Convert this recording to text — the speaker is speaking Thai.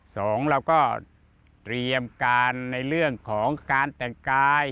สองเราก็เตรียมการในเรื่องของการแต่งกาย